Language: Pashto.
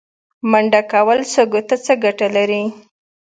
منډه کول سږو ته څه ګټه لري؟